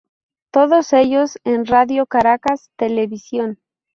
Todos ellos en Radio Caracas Televisión.